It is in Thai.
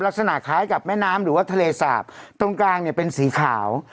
ลักษณะคล้ายกับแม่น้ำหรือว่าทะเลสาบตรงกลางเนี่ยเป็นสีขาว